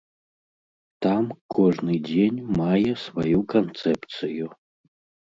Там кожны дзень мае сваю канцэпцыю.